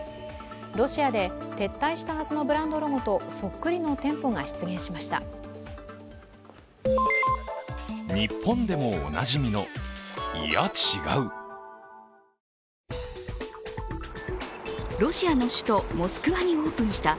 ロシアで撤退したはずのブランドロゴとそっくりの店舗が出現しました。